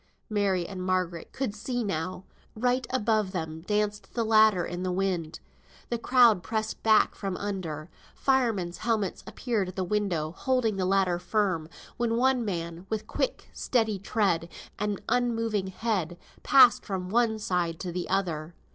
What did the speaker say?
Mary and Margaret could see now; right above them danced the ladder in the wind. The crowd pressed back from under; firemen's helmets appeared at the window, holding the ladder firm, when a man, with quick, steady tread, and unmoving head, passed from one side to the other.